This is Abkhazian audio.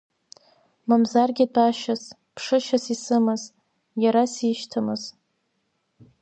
Мамзаргьы тәашьас, ԥшышьас исымаз, иара сишьҭамыз!